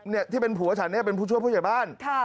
เนี่ยที่เป็นผัวฉันเนี่ยเป็นผู้ช่วยผู้ใหญ่บ้าน